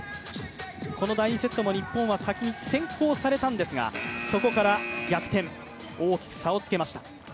この第２セットも日本は先行されたんですがそこから逆転、大きく差をつけました。